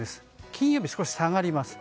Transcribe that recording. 金曜日、少し下がります。